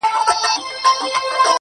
زموږ د كلي څخه ربه ښكلا كډه كړې.